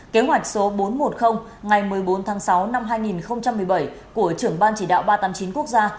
kế hoạch số bốn trăm một mươi ngày một mươi bốn tháng sáu năm hai nghìn một mươi bảy của trưởng ban chỉ đạo ba trăm tám mươi chín quốc gia